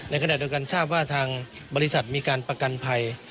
ขณะเดียวกันทราบว่าทางบริษัทมีการประกันภัย